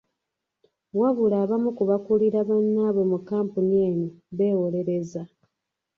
Wabula abamu ku bakulira bannaabwe mu kkampuni eno beewolerezza.